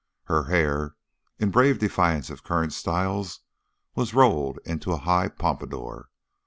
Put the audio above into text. Her hair, in brave defiance of current styles, was rolled into a high pompadour.